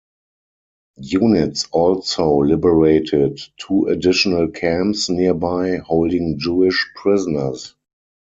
Units also liberated two additional camps nearby holding Jewish prisoners.